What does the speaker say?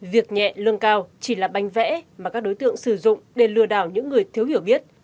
việc nhẹ lương cao chỉ là bánh vẽ mà các đối tượng sử dụng để lừa đảo những người thiếu hiểu biết